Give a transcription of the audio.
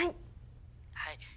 はい。